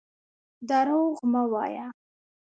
درواغ مه وايه.